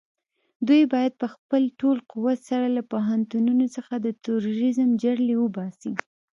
دوی بايد په خپل ټول قوت سره له پوهنتونونو څخه د تروريزم جرړې وباسي.